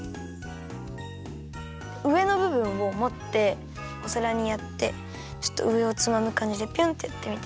うえのぶぶんをもっておさらにやってちょっとうえをつまむかんじでピョンってやってみて。